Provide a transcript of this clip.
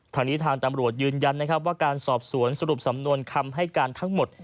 ทางนี้ทางตำรวจยืนยันนะครับว่าการสอบสวนสรุปสำนวนคำให้การทั้งหมด